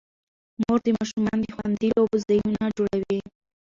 مور د ماشومانو د خوندي لوبو ځایونه جوړوي.